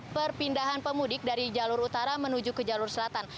perpindahan pemudik dari jalur utara menuju ke jalur selatan